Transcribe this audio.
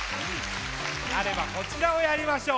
なればこちらをやりましょう。